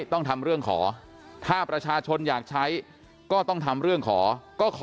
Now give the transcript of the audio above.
ต้องทำเรื่องขอถ้าประชาชนอยากใช้ก็ต้องทำเรื่องขอก็ขอ